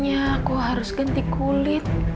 aku harus mengubah kulit